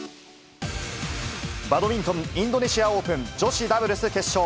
バドミントンインドネシアオープン女子ダブルス決勝。